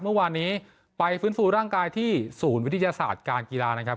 เมื่อวานนี้ไปฟื้นฟูร่างกายที่ศูนย์วิทยาศาสตร์การกีฬานะครับ